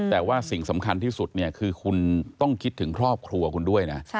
แต่ว่าสิ่งสำคัญที่สุดเนี่ยคือคุณต้องคิดถึงครอบครัวคุณด้วยนะ